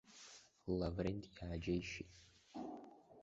Лаврент иааџьеишьеит.